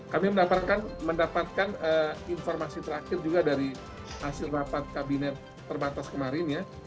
kami mendapatkan informasi terakhir juga dari hasil rapat kabinet terbatas kemarin ya